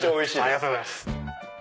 ありがとうございます。